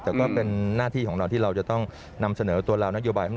แต่ก็เป็นหน้าที่ของเราที่เราจะต้องนำเสนอตัวเรานโยบาย